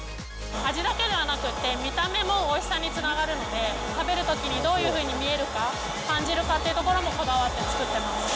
味だけではなくって、見た目もおいしさにつながるので、食べるときにどういうふうに見えるか、感じるかというところもこだわって作ってます。